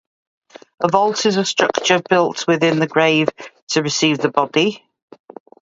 A vault is a structure built within the grave to receive the body.